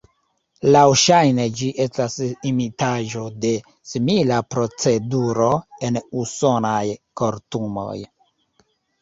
Laŭŝajne ĝi estas imitaĵo de simila proceduro en usonaj kortumoj.